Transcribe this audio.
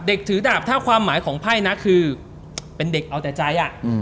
ถือดาบถ้าความหมายของไพ่นะคือเป็นเด็กเอาแต่ใจ